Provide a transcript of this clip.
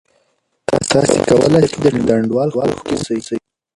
تاسې کولای سئ د ټولنې د انډول ښوونکی سئ.